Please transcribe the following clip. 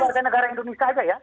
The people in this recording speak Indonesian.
ini warga negara indonesia saja ya